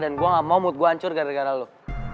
dan gue gak mau mood gue hancur gara gara lu